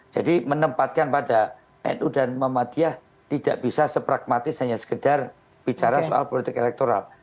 jadi menempatkan pada nu dan muhammadiyah tidak bisa sepragmatis hanya sekedar bicara soal politik elektoral